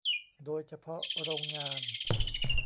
โดยเฉพาะโรงงาน